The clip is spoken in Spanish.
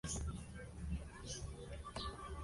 Carecía, sin embargo, del suficiente tirón popular.